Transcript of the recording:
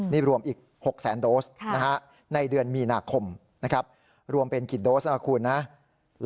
นี่รวมอีก๖แสนโดสในเดือนมีนาคมนะครับรวมเป็นกี่โดสนะคุณนะ